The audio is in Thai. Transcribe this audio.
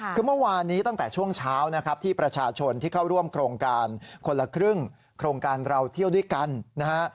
คือเมื่อวานนี้ตั้งแต่ช่วงเช้านะครับที่ประชาชนที่เข้าร่วมโครงการคนละครึ่งโครงการเราเที่ยวด้วยกันนะฮะ